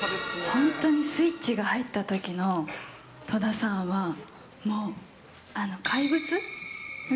本当にスイッチが入ったときの戸田さんは、もう、怪物？